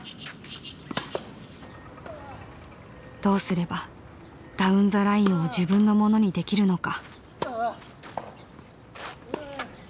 どうすればダウン・ザ・ラインを自分のものにできるのか？